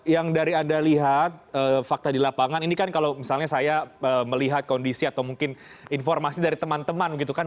yang dari anda lihat fakta di lapangan ini kan kalau misalnya saya melihat kondisi atau mungkin informasi dari teman teman gitu kan